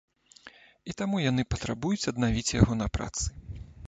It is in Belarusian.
І таму яны патрабуюць аднавіць яго на працы.